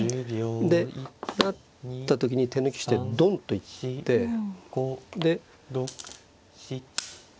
で成った時に手抜きしてドンと行ってで。